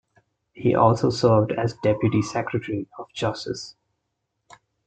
He also served as Deputy Secretary of Justice.